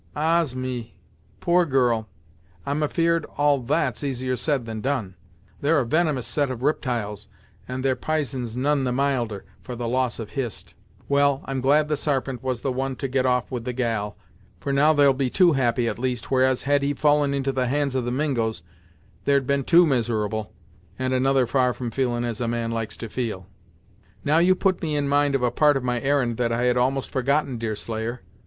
"Ahs! me, poor girl; I'm afeard all that's easier said than done. They're a venomous set of riptyles and their p'ison's none the milder, for the loss of Hist. Well, I'm glad the Sarpent was the one to get off with the gal, for now there'll be two happy at least, whereas had he fallen into the hands of the Mingos, there'd been two miserable, and another far from feelin' as a man likes to feel." "Now you put me in mind of a part of my errand that I had almost forgotten, Deerslayer.